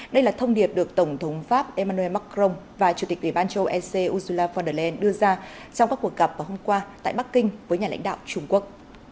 đây là thông điệp được tổng thống pháp emmanuel macron và chủ tịch ủy ban châu ec ursula von der leyen đưa ra trong các cuộc gặp vào hôm qua tại bắc kinh với nhà lãnh đạo trung quốc